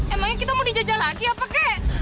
emangnya kita mau dijajah lagi apa kek